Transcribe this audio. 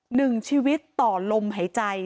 หนึ่งชีวิตต่อลมหายใจ